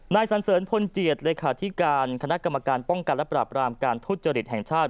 สันเสริญพลเจียดเลขาธิการคณะกรรมการป้องกันและปราบรามการทุจริตแห่งชาติ